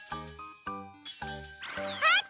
あった！